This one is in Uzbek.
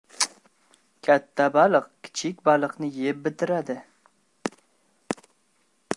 • Katta baliq kichik baliqni yeb bitiradi.